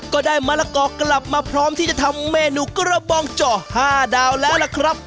ก็ได้มะละกอกลับมาพร้อมที่จะทำเมนูกระบองเจาะ๕ดาวแล้วล่ะครับ